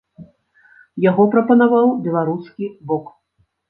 Яго прапанаваў беларускі бок.